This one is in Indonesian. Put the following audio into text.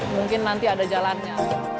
mungkin nanti ada jalannya